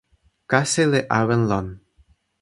kasi li awen lon.